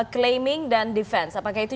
claiming dan defense apakah itu